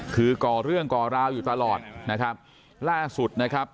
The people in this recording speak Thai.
คือก่อเรื่องก่อราวอยู่ตลอดนะครับล่าสุดนะครับ